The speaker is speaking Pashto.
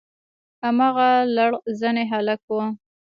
هماغه لغړ زنى هلک و.